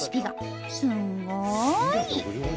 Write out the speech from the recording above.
すんごい！